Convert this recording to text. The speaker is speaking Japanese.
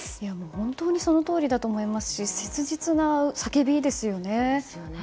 本当にそのとおりだと思いますし切実な叫びですよね。